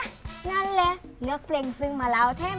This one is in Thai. นั่นแหละนึกเพลงซึ่งมาเล่าเท่ม